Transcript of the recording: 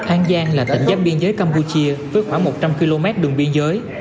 an giang là tỉnh giáp biên giới campuchia với khoảng một trăm linh km đường biên giới